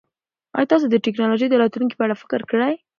ایا تاسو د ټکنالوژۍ د راتلونکي په اړه فکر کړی؟